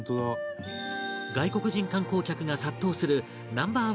外国人観光客が殺到するナンバー